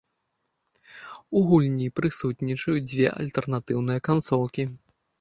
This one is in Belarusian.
У гульні прысутнічаюць дзве альтэрнатыўныя канцоўкі.